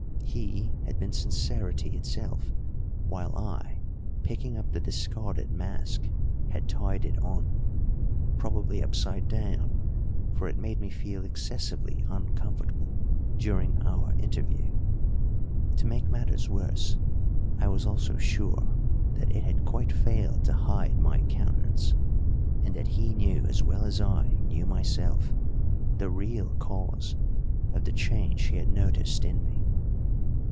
He had been sincerity itself, while I, picking up the discarded mask, had tied it on, probably upside down, for it made me feel excessively uncomfortable during our interview. To make matters worse, I was also sure that it had quite failed to hide my countenance, and that he knew as well as I knew myself the real cause of the change he had noticed in me.